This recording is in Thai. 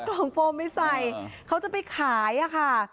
เอากล่องโฟมไปใส่เค้าจะไปขายค่ะ